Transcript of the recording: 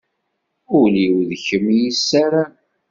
Ul-iw d kem i yessaram.